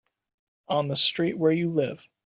On the street where you live.